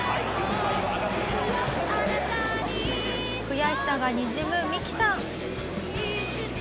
悔しさがにじむミキさん。